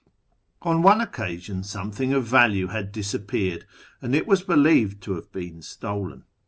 On one occasion something of value had i disappeared, and it was believed to have been stolen.